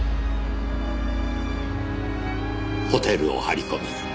ホテルを張り込み